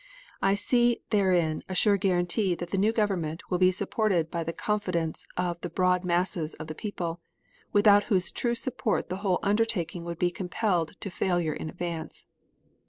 I see therein a sure guarantee that the new government will be supported by the confidence of the broad masses of the people, without whose true support the whole undertaking would be compelled to failure in advance.